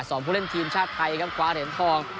ผู้เล่นทีมชาติไทยครับคว้าเหรียญทอง